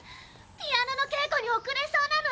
ピアノの稽古に遅れそうなの！